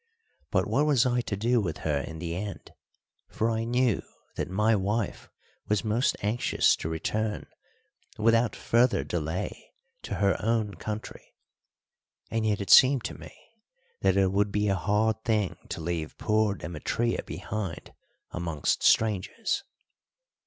But what was I to do with her in the end? for I knew that my wife was most anxious to return without further delay to her own country; and yet it seemed to me that it would be a hard thing to leave poor Demetria behind amongst strangers.